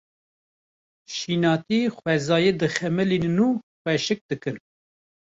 Şînatî xwezayê dixemilînin û xweşik dikin.